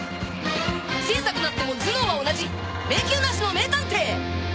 小さくなっても頭脳は同じ迷宮なしの名探偵！